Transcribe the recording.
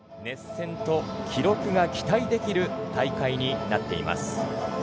熱戦と記録が期待できる大会になっています。